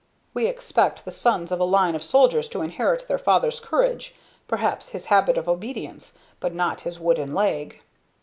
We expect the sons of a line of soldiers to inherit their fathers' courage perhaps his habit of obedience but not his wooden leg."